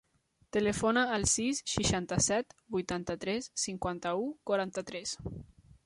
Telefona al sis, seixanta-set, vuitanta-tres, cinquanta-u, quaranta-tres.